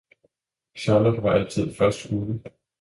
Charlot var altid først ude.